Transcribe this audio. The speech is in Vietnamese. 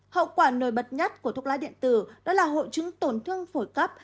hậu quả nổi bật nhất của thuốc lá điện tử đó là hội chứng tổn thương phổi cấp